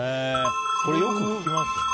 これ、よく聞きますよね。